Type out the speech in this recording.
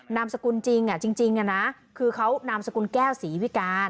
น้ำสกุลน่ะจริงก็คือน้ำสกุลแก้วสีวิการ